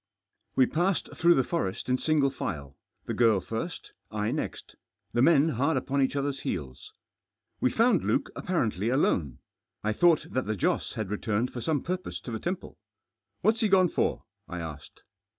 We passed through the forest in single file ; the girl first, I next ; the men hard upon each other's heels. We found Luke apparently alone. I thought that the Joss had returned for some purpose to the temple. " What's he gone for ?" I asked.